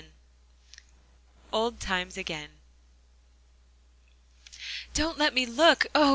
VII OLD TIMES AGAIN "Don't let me look oh!